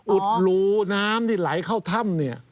อุดรูน้ำที่ไหลเข้าถ้ำเนี่ย